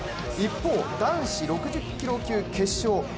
一方、男子６０キロ級決勝。